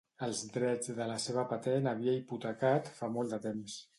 Els drets de la seva patent havia hipotecat fa molt de temps.